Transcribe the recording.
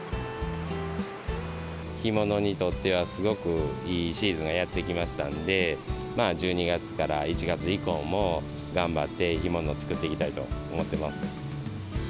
干物にとってはすごくいいシーズンがやって来ましたんで、１２月から１月以降も、頑張って干物を作っていきたいと思っています。